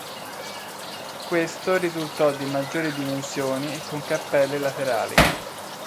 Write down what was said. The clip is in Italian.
Questo risultò di maggiori dimensioni e con cappelle laterali.